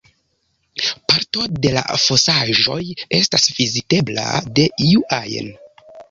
Parto de la fosaĵoj estas vizitebla de iu ajn.